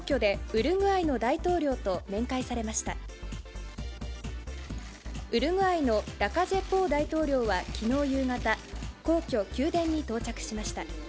ウルグアイのラカジェ・ポウ大統領はきのう夕方、皇居・宮殿に到着しました。